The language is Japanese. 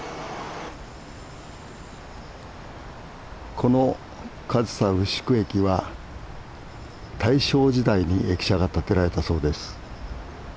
この上総牛久駅は大正時代に駅舎が建てられたそうです。